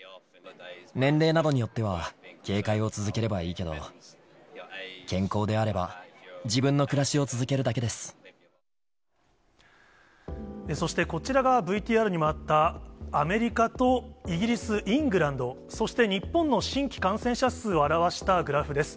年齢などによっては、警戒を続ければいいけど、健康であれば、自分の暮らしを続けるだそしてこちらが、ＶＴＲにもあった、アメリカとイギリス・イングランド、そして日本の新規感染者数を表したグラフです。